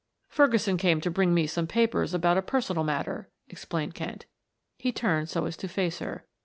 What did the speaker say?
"Ferguson came to bring me some papers about a personal matter," explained Kent. He turned so as to face her.